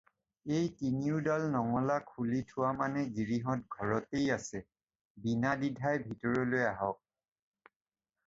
এই তিনিওডাল নঙলা খুলি থোৱা মানে গিৰিহঁত ঘৰতেই আছে, বিনাদ্বিধাই ভিতৰলৈ আহক।